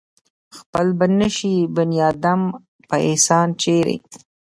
خپل به نشي بنيادم پۀ احسان چرې